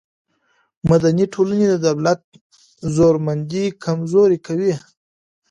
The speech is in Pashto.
مدني ټولنې د دولت زورمندي کمزورې کوي.